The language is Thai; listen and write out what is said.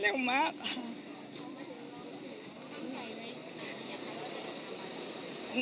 ค่ะเร็วมากค่ะ